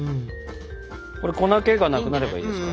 これ粉けがなくなればいいですか？